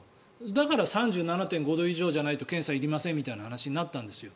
だから３７．５度以上じゃないと検査はいりませんみたいな話になったんですよ。